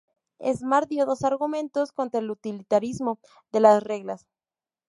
Smart dio dos argumentos contra el utilitarismo de las reglas.